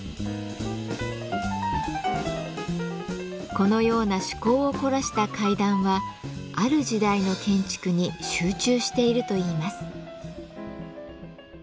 このような趣向を凝らした階段はある時代の建築に集中しているといいます。